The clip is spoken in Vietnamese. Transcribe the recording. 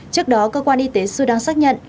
trước đó cơ quan y tế sudan xác nhận